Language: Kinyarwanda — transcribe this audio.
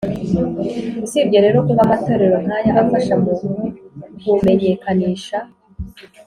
usibye rero kuba amatorero nk’aya afasha mu kumenyekanisha